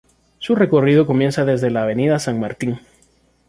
Su recorrido comienza desde la Avenida San Martín.